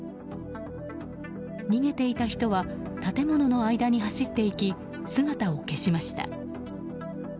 逃げていた人は建物の間に走っていき姿を消しました。